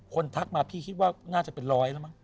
ทักมาพี่คิดว่าน่าจะเป็นร้อยแล้วมั้